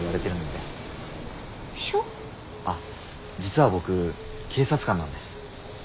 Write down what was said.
あっ実は僕警察官なんです。